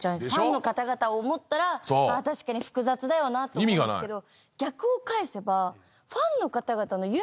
ファンの方々を思ったら確かに複雑だよなと思うんですけど逆を返せば。